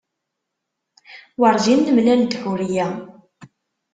Werjin nemlal-d Ḥuriya.